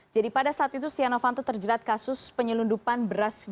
jadi pada saat itu setia novanto terjerat kasus penyelundupan beras via